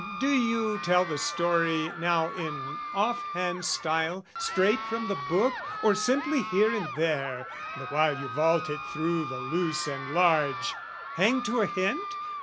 "Do you tell the story, now, in off hand style, "Straight from the book? Or simply here and there, "(The while you vault it through the loose and large) "Hang to a hint?